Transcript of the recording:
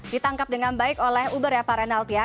ditangkap dengan baik oleh uber ya pak renalt ya